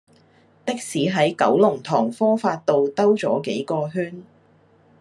的士喺九龍塘科發道兜左幾個圈